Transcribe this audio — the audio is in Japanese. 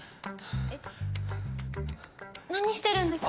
えっ何してるんですか？